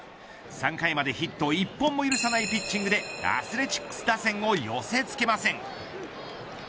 ３回までヒット１本も許さないピッチングでアスレチックス打線を寄せ付けません。